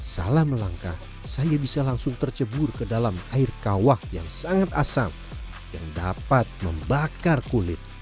salah melangkah saya bisa langsung tercebur ke dalam air kawah yang sangat asam yang dapat membakar kulit